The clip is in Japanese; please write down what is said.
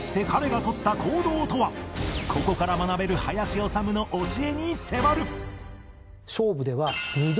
ここから学べる林修の教えに迫る！